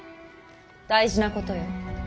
大事なことよ。